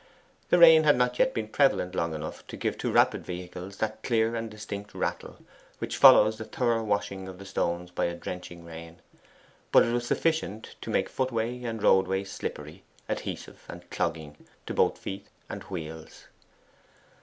The rain had not yet been prevalent long enough to give to rapid vehicles that clear and distinct rattle which follows the thorough washing of the stones by a drenching rain, but was just sufficient to make footway and roadway slippery, adhesive, and clogging to both feet and wheels.